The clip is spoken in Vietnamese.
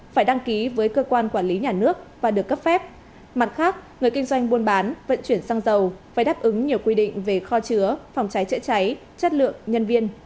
phải đăng ký với cơ quan quản lý nhà nước và được cấp phép mặt khác người kinh doanh buôn bán vận chuyển xăng dầu phải đáp ứng nhiều quy định về kho chứa phòng cháy chữa cháy chất lượng nhân viên